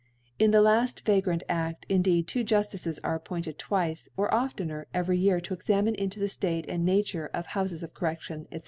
In the laft Vagrant A6k indeed two Juftices are appointed twice, or oftener, every Year to examine into the State and Nature of Houfcs of Corredion, &c.